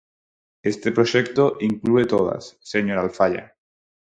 Este proxecto inclúe todas, señora Alfaia.